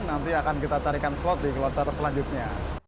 nanti akan kita tarikan slot di kloter selanjutnya